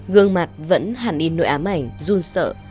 gương mặt vẫn hẳn in nội ám ảnh run sợ